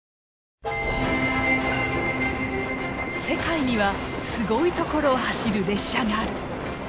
世界にはすごい所を走る列車がある！